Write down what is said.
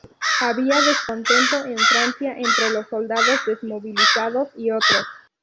Había descontento en Francia entre los soldados desmovilizados y otros.